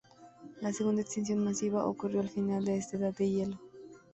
La segunda extinción masiva ocurrió al final de esta edad de hielo.